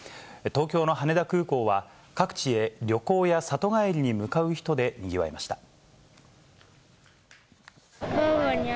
東京の羽田空港は、各地へ旅行や里帰りに向かう人でにぎわいました。